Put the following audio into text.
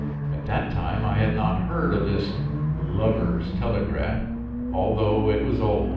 At that time I had not heard of this "lovers' telegraph," although it was old.